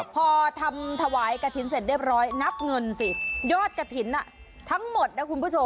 พอทำถวายกระถิ่นเสร็จเรียบร้อยนับเงินสิยอดกระถิ่นทั้งหมดนะคุณผู้ชม